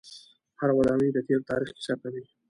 هره ودانۍ د تیر تاریخ کیسه کوي.